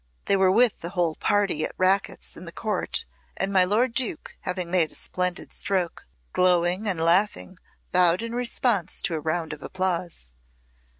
(They were with the whole party at racquets in the court, and my lord Duke, having made a splendid stroke, glowing and laughing bowed in response to a round of applause.)